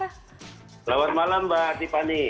selamat malam mbak tiffany